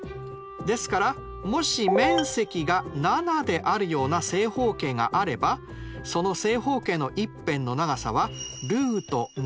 ですからもし面積が７であるような正方形があればその正方形の１辺の長さはルート７となりますね。